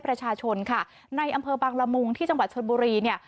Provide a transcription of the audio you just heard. ประชาชนค่ะในอำเภอบางละมุงที่จังหวัดชนบุรีเนี่ย